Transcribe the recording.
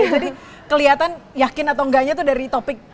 jadi kelihatan yakin atau enggaknya tuh dari topik